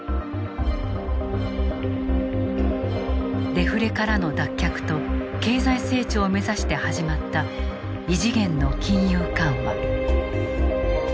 デフレからの脱却と経済成長を目指して始まった異次元の金融緩和。